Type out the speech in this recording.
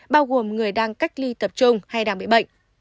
bao gồm người đang cách ly tập trung hay đang bị bệnh